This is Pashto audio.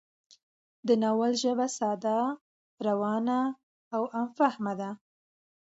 د ناول ژبه ساده، روانه او عام فهمه ده